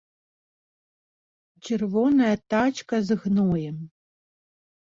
Чырвоная тачка з гноем.